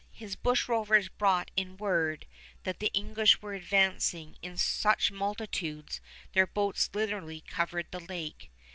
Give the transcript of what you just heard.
His bushrovers brought in word that the English were advancing in such multitudes their boats literally covered the lake.